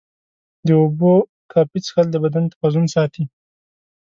د اوبو کافي څښل د بدن توازن ساتي.